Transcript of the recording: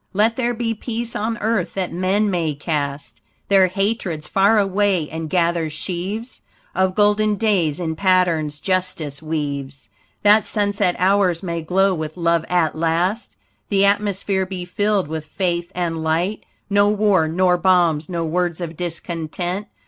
Let there be peace on earth, that men may cast Their hatreds far away and gather sheaves Of golden days in patterns justice weaves; That sunset hours may glow with love at last, The atmosphere be filled with faith and light, No war, nor bombs, no words of discontent.